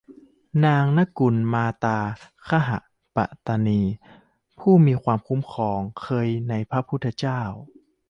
นางนกุลมาตาคหปตานี ผู้มีความคุ้นเคยในพระพุทธเจ้า